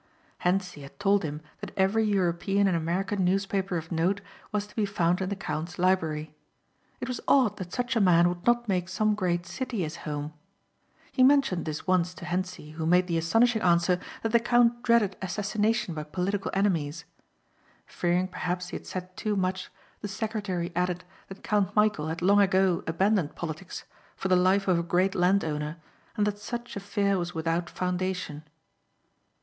Hentzi had told him that every European and American newspaper of note was to be found in the count's library. It was odd that such a man would not make some great city his home. He mentioned this once to Hentzi who made the astonishing answer that the count dreaded assassination by political enemies. Fearing perhaps he had said too much the secretary added that Count Michæl had long ago abandoned politics for the life of a great landowner and that such a fear was without foundation.